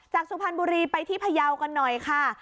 สุพรรณบุรีไปที่พยาวกันหน่อยค่ะ